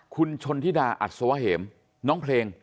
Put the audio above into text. คุณชนธิดาอัศวะเหมน้องเพลง